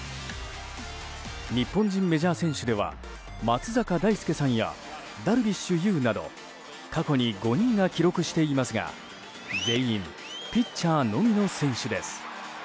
日本人メジャー選手では松坂大輔さんやダルビッシュ有など過去に５人が記録していますが全員ピッチャーのみの選手です。